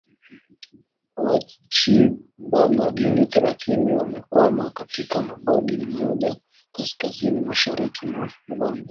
wachiba madini thelathini wamekwama katika mgodi mmoja kaskazini mashariki mwa colombia